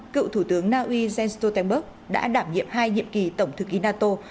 cựu thủ tướng na uy jens stoltenberg đã đảm nhiệm hai nhiệm kỳ tổng thư ký nato